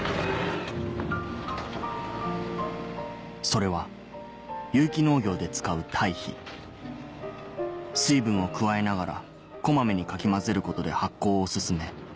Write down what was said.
それは有機農業で使う堆肥水分を加えながらこまめにかき混ぜることで発酵を進め